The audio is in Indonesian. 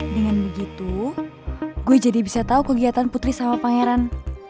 dengan begitu gue jadi bisa tahu kegiatan putri sama pangeran